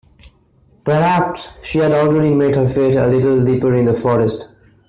Perhaps she had already met her fate a little deeper in the forest.